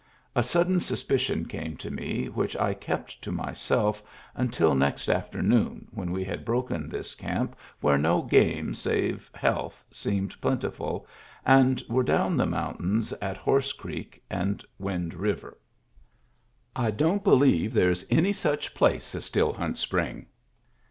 A sudden suspicion came to me, which I kept to myself until next afternoon when we had broken this camp where no game save health seemed plentiful, and were down the mountains at Horse Creek and Wind River. " I don't believe there is any such place as Still Hunt Spring."